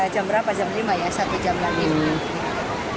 jam berapa jam lima ya satu jam lagi